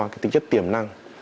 cái tính chất tiềm năng